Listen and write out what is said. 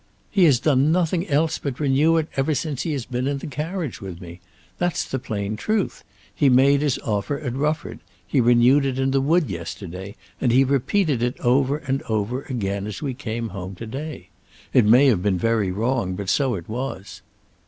"He has done nothing else but renew it ever since he has been in the carriage with me. That's the plain truth. He made his offer at Rufford. He renewed it in the wood yesterday; and he repeated it over and over again as we came home to day. It may have been very wrong, but so it was."